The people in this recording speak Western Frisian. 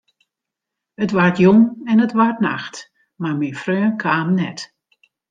It waard jûn en it waard nacht, mar myn freon kaam net.